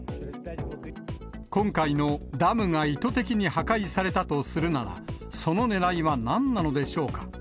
今回のダムが意図的に破壊されたとするなら、そのねらいは何なのでしょうか。